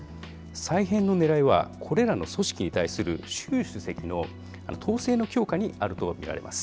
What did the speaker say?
再編のねらいは、これらの組織に対する習主席の統制の強化にあると見られます。